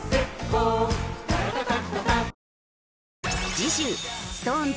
次週ＳｉｘＴＯＮＥＳ